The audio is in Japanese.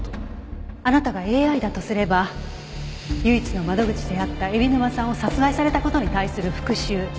あなたがＡＩだとすれば唯一の窓口であった海老沼さんを殺害された事に対する復讐。